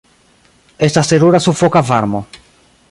Estas terura sufoka varmo.